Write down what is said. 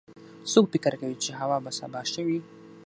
څوک فکر کوي چې هوا به سبا ښه وي